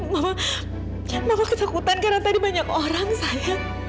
mama mama kesakutan karena tadi banyak orang sayang